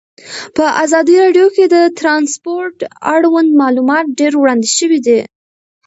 په ازادي راډیو کې د ترانسپورټ اړوند معلومات ډېر وړاندې شوي.